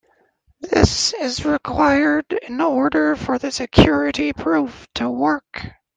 This is required in order for the security proof to work.